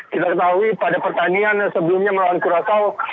kita ketahui pada pertandingan sebelumnya melawan kurasau